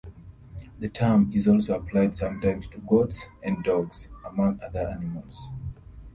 The term is also applied sometimes to goats and dogs, among other animals.